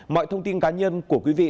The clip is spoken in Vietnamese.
mọi thông tin cá nhân của quý vị